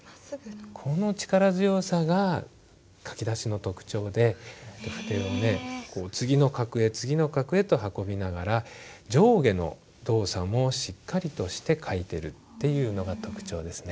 この力強さが書き出しの特徴で筆を次の画へ次の画へと運びながら上下の動作もしっかりとして書いてるっていうのが特徴ですね。